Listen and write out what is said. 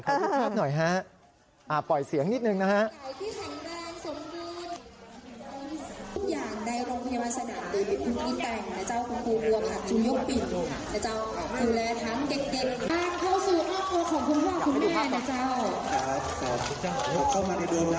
ขอบคุณครับหน่อยฮะปล่อยเสียงนิดหนึ่งนะฮะ